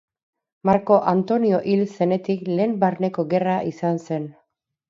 Marko Antonio hil zenetik lehen barneko gerra izan zen.